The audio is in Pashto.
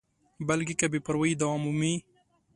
بلکې که بې پروایي دوام ومومي.